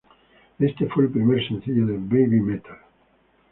Este fue el primer sencillo de Babymetal.